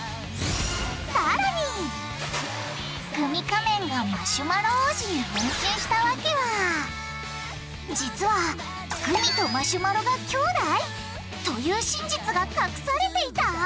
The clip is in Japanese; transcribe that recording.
グミ仮面がマシュマロ王子に変身した訳は実はグミとマシュマロがきょうだい！？という真実が隠されていた！？